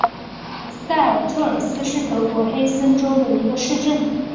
塞尔特尔斯是德国黑森州的一个市镇。